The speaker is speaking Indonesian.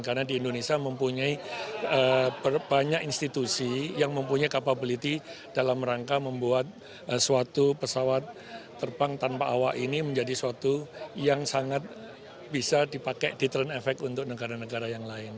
karena di indonesia mempunyai banyak institusi yang mempunyai kapabilitas dalam rangka membuat suatu pesawat terbang tanpa awak ini menjadi suatu yang sangat bisa dipakai di trend efek untuk negara negara yang lain